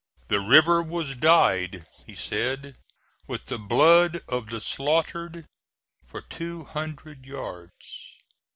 "The river was dyed," he says, "with the blood of the slaughtered for two hundred yards.